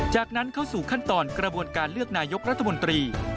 จากนั้นเข้าสู่ขั้นตอนกระบวนการเลือกนายกรัฐมนตรี